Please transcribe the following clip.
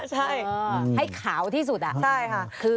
ใช่ให้ขาวที่สุดอะใช่ค่ะ